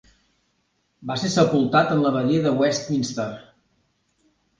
Va ser sepultat en l'Abadia de Westminster.